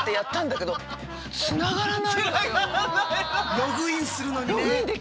ログインするのにね。